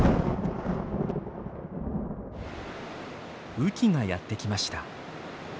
雨季がやって来ました。